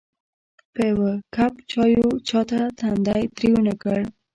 په یوه کپ چایو چاته تندی تریو نه کړ.